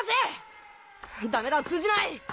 ダメだ通じない！